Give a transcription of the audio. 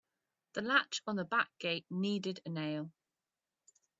The latch on the back gate needed a nail.